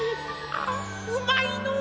ああうまいのう！